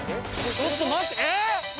ちょっと待ってええー！